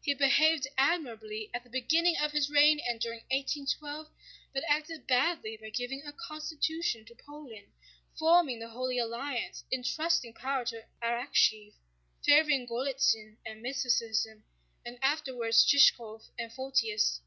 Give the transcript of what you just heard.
He behaved admirably at the beginning of his reign and during 1812, but acted badly by giving a constitution to Poland, forming the Holy Alliance, entrusting power to Arakchéev, favoring Golítsyn and mysticism, and afterwards Shishkóv and Photius.